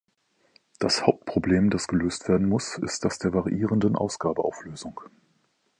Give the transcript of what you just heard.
Das Hauptproblem, das gelöst werden muss, ist das der variierenden Ausgabe-Auflösung.